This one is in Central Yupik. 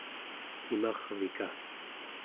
imarvika